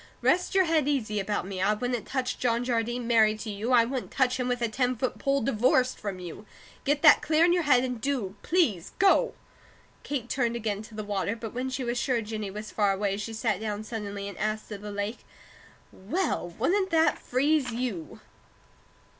Rest your head easy about me. I wouldn't touch John Jardine married to you; I wouldn't touch him with a ten foot pole, divorced from you. Get that clear in your head, and do please go!" Kate turned again to the water, but when she was sure Jennie was far away she sat down suddenly and asked of the lake: "Well, wouldn't that freeze you?"